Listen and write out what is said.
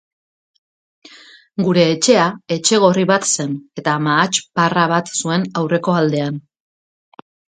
Gure etxea etxe gorri bat zen, eta mahats-parra bat zuen aurreko aldean.